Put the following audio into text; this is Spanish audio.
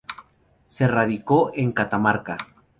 Se radicó en Catamarca.